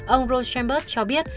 ông rothschildberg cho biết